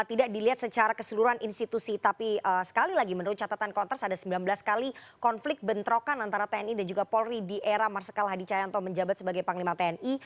tidak dilihat secara keseluruhan institusi tapi sekali lagi menurut catatan kontras ada sembilan belas kali konflik bentrokan antara tni dan juga polri di era marsikal hadi cayanto menjabat sebagai panglima tni